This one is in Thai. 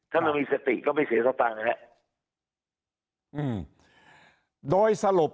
ถ้าไม่มีเซฟตี้ก็ไม่เสียเท่าต่างนะครับ